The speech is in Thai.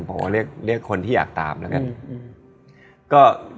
ผมว่าเรียกคนที่อยากตามแล้วกัน